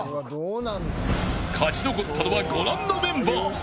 勝ち上がったのはご覧のメンバー。